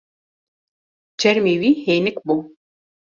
Çermê wî hênik bû.